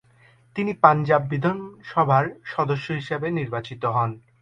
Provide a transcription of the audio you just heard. তিনি পাঞ্জাব বিধানসভার সদস্য হিসেবে নির্বাচিত হন।